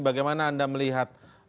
bagaimana anda melihat